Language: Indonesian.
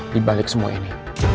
di balik semua ini